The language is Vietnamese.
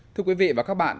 thưa quý vị và các bạn